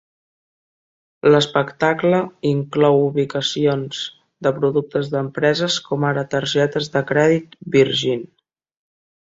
L'espectacle inclou ubicacions de productes d'empreses com ara targetes de crèdit Virgin.